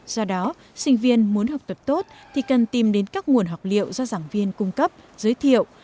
do đó sinh viên muốn học tập tốt thì cần tìm đến các nguồn học liệu do giảng viên cung cấp giới thiệu